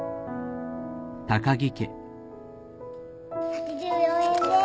８４円です。